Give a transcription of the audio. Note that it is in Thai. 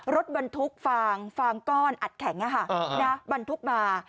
รถบรรทุกฟางฟางก้อนอัดแข็งบรรทุกมา